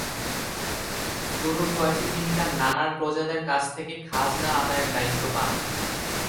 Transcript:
তরুণ বয়সে তিনি তাঁর নানার প্রজাদের কাছ থেকে খাজনা আদায়ের দায়িত্ব পান।